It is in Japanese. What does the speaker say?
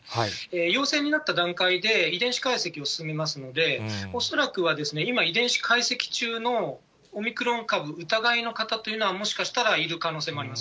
陽性になった段階で、遺伝子解析に進みますので、恐らくは、今、遺伝子解析中のオミクロン株疑いの方というのはもしかしたら、いる可能性もあります。